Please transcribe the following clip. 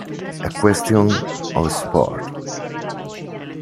A Question of Sport